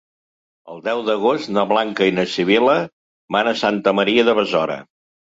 El deu d'agost na Blanca i na Sibil·la van a Santa Maria de Besora.